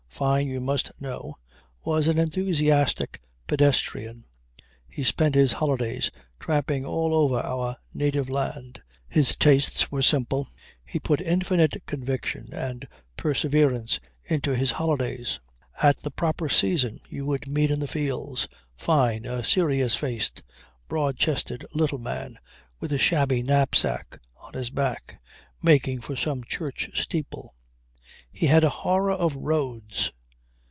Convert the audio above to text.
Fyne, you must know, was an enthusiastic pedestrian. He spent his holidays tramping all over our native land. His tastes were simple. He put infinite conviction and perseverance into his holidays. At the proper season you would meet in the fields, Fyne, a serious faced, broad chested, little man, with a shabby knap sack on his back, making for some church steeple. He had a horror of roads.